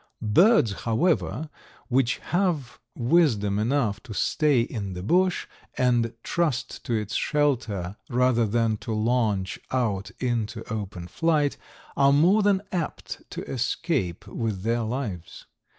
Birds, however, which have wisdom enough to stay in the bush and trust to its shelter rather than to launch out into open flight, are more than apt to escape with their lives.